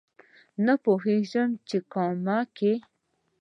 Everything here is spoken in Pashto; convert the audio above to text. نه پوهېږم چې کامه کې